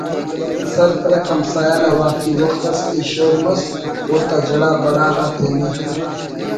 سر کرک ہمسایہ نا اُراٹی وخت اس کہ شور مس اوتا جڑا بڑا غا تینے